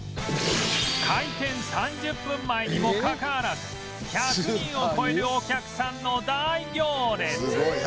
開店３０分前にもかかわらず１００人を超えるお客さんの大行列